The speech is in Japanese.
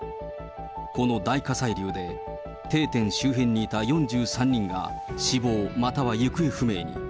この大火砕流で、定点周辺にいた４３人が死亡、または行方不明に。